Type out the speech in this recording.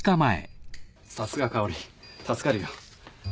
さすが佳織助かるよ。